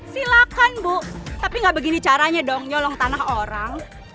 silakan bu tapi gak begini caranya dong nyolong tanah orang